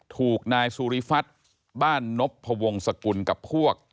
ถูกนายสุริฟัฐบ้านนพวงศกุลกับพวก